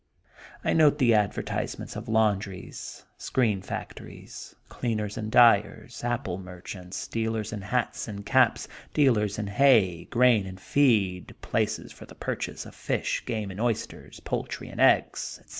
I note the advertisements of laundries, screen factories, cleaners and dyers, apple merchants, dealers in hats and caps, dealers in hay, grain and feed, places for the purchase of fish, game and oysters, poultry and eggs, etc.